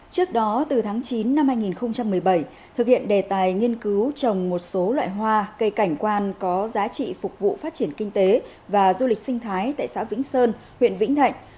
trước đó từ tháng chín năm hai nghìn một mươi bảy thực hiện đề tài nghiên cứu trồng một số loại hoa cây cảnh quan có giá trị phục vụ phát triển kinh tế và du lịch sinh thái tại xã vĩnh sơn huyện vĩnh thạnh